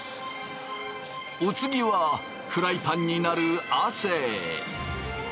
お次はフライパンになる亜生。